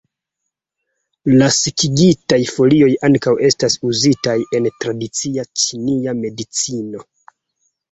La sekigitaj folioj ankaŭ estas uzitaj en tradicia ĉina medicino.